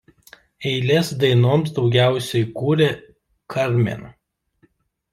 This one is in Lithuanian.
Eiles dainoms daugiausia kūrė Carmen.